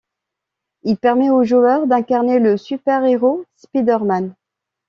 Il permet au joueur d'incarner le super-héros Spider-Man.